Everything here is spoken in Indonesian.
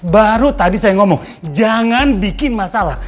baru tadi saya ngomong jangan bikin masalah